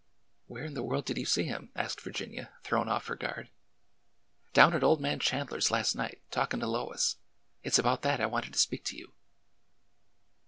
Where in the world did you see him?" asked Vir ginia, thrown off her guard. Down at old man Chandler's last night, talkin' to Lois. It 's about that I wanted to speak to you."